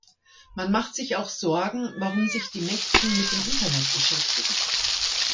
Man macht sich auch Sorgen, warum sich die Mächtigen mit dem Internet beschäftigen.